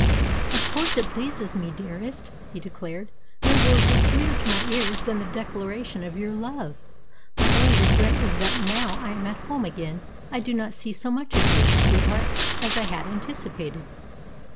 "Of course it pleases me, dearest," he declared. "No words are sweeter to my ears than the declaration of your love. My only regret is that, now I am at home again, I do not see so much of you, sweetheart, as I had anticipated."